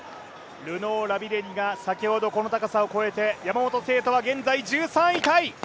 ルノー・ラビレニが先ほどこの高さを越えて山本聖途は現在１３位タイ。